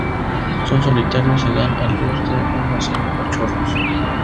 Son solitarios, y dan a luz de uno a cinco cachorros.